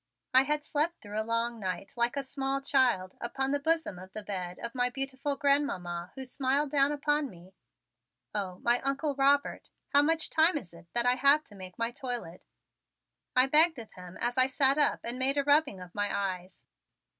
I had slept through a long night like a small child upon the bosom of the bed of my beautiful Grandmamma who smiled down upon me. "Oh, my Uncle Robert, how much time is it that I have to make my toilet?" I begged of him as I sat up and made a rubbing of my eyes.